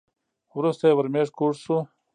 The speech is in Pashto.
وروسته یې ورمېږ کوږ شو .